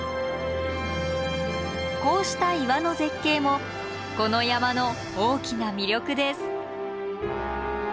こうした岩の絶景もこの山の大きな魅力です。